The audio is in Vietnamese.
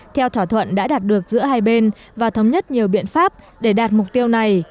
theo thỏa thuận đã đạt được giữa hai bên và thống nhất nhiều biện pháp để đạt mục tiêu này